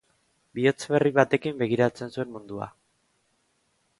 Bihotz berri batekin begiratzen zuen mundua.